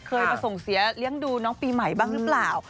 เคยมาส่งเสียเลี้ยงดูน้องปีใหม่บ้างหรือเปล่า